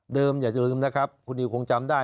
เดิมอยากจะลืมนะครับคุณอิวคงจำได้